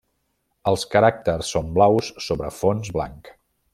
Els caràcters són blaus sobre fons blanc.